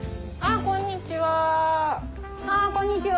あっこんにちは。